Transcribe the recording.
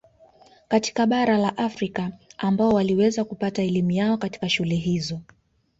Katika bara la Afrika ambao waliweza kupata elimu yao katika shule hizo